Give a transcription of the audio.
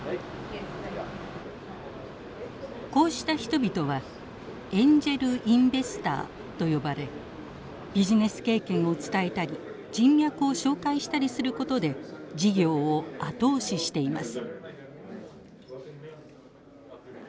こうした人々はエンジェル・インベスターと呼ばれビジネス経験を伝えたり人脈を紹介したりすることで事業を後押ししています。